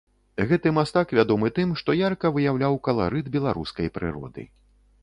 Гэты мастак вядомы тым, што ярка выяўляў каларыт беларускай прыроды.